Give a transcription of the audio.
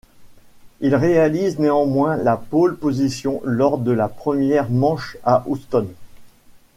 Il réalise néanmoins la pole position lors de la première manche à Houston.